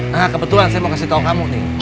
nah kebetulan saya mau kasih tahu kamu nih